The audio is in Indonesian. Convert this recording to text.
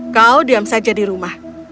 kau diam saja di rumah